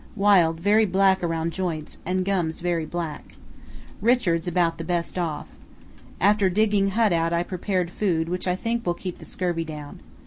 Wild, very black around joints, and gums very black. Richards about the best off. After digging hut out I prepared food which I think will keep the scurvy down.